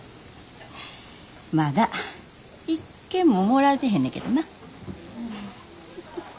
まだ一件ももらえてへんねけどな。